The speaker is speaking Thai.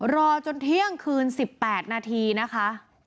รอจนเที่ยงคืน๑๘นาทีนะคะ